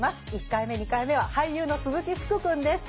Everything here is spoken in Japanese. １回目２回目は俳優の鈴木福くんです。